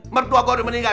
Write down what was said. mertua gue udah meninggal